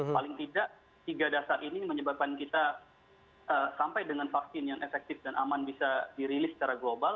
paling tidak tiga dasar ini menyebabkan kita sampai dengan vaksin yang efektif dan aman bisa dirilis secara global